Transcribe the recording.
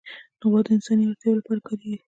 غوا د انساني اړتیاوو لپاره کارېږي.